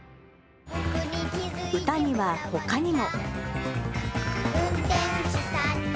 歌にはほかにも。